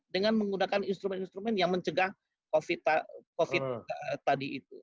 dengan menggunakan instrumen instrumen yang mencegah covid tadi itu